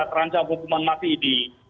terancam hukuman mati di